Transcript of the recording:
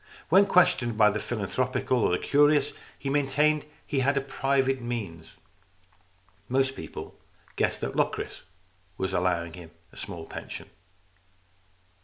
When questioned by the philanthropical or the curious, he maintained that he had private means. Most people guessed that Locris was allowing him a small pension.